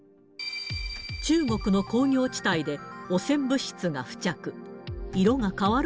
中国の工業地帯で汚染物質が付着。